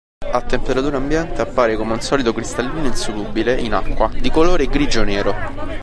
A temperatura ambiente appare come un solido cristallino insolubile in acqua, di colore grigio-nero.